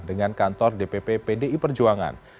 dengan kantor dpp pdi perjuangan